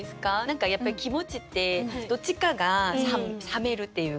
何かやっぱり気持ちってどっちかが冷めるっていう。